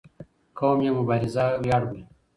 قوم یې مبارزه ویاړ بولي